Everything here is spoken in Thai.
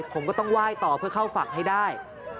ผมก็ต้องไหว้ต่อเพื่อเข้าฝั่งให้ได้